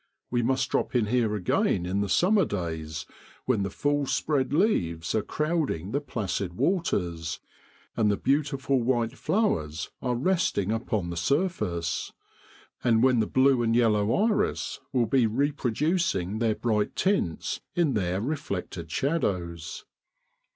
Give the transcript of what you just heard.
We must drop in here again in the summer days when the full spread leaves are crowding the placid waters, and the beautiful white flowers are resting upon the surface, and when the blue and yellow iris will be reproducing their bright tints in their reflected shadows.